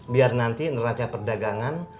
biar nanti neraca perdagangan